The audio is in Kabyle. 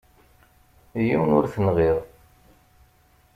Yiwen ur t-nɣiɣ.